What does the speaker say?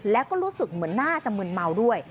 แล้วก็รู้สึกเหมือนน่าจะมืนเมาด้วย